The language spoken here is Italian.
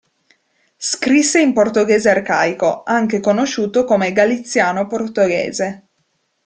Scrisse in portoghese arcaico, anche conosciuto come galiziano-portoghese.